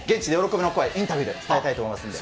インタビューで伝えたいと思いますんで。